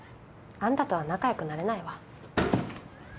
あんたとは仲良くなれないわ。